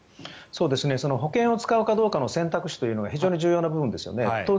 保険を使うかどうかの選択肢は非常に重要な部分ですよね。